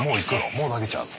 もう投げちゃうの？